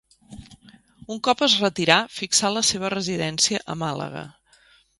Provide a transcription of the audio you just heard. Un cop es retirà fixà la seva residència a Màlaga.